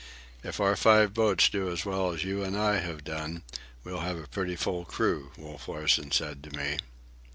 "If our five boats do as well as you and I have done, we'll have a pretty full crew," Wolf Larsen said to me.